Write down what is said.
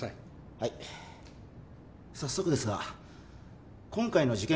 はい早速ですが今回の事件